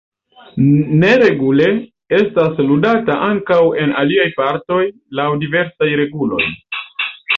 Neregule estas ludata ankaŭ en aliaj partoj laŭ diversaj regularoj.